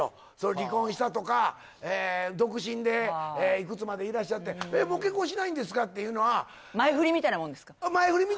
離婚したとか独身でいくつまでいらっしゃって「もう結婚しないんですか？」っていうのは前フリみたいなもん